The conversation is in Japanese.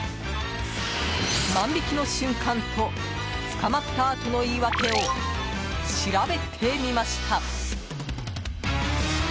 万引きの瞬間と、捕まったあとの言い訳を調べてみました。